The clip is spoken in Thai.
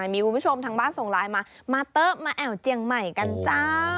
มีคุณผู้ชมทางบ้านส่งไลน์มามาเต๊ะมาแอวเจียงใหม่กันจ้า